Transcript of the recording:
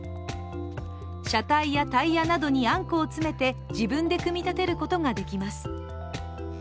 車体やタイヤなどにあんこを詰めて自分で組み立てることができます。